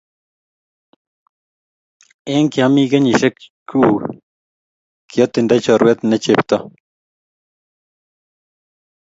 Eng kiami kenyisiek kuk ki kiyatindoi chorwet ne chepto